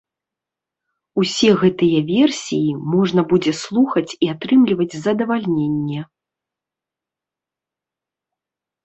Усе гэтыя версіі можна будзе слухаць і атрымліваць задавальненне.